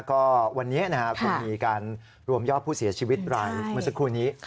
ก็วันนี้นะครับคงมีการรวมยอดผู้เสียชีวิตรายเมื่อสักครู่นี้